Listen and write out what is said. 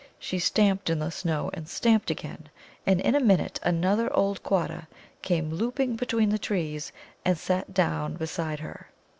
She stamped in the snow, and stamped again. And in a minute another old Quatta came louping between the trees, and sat down beside her.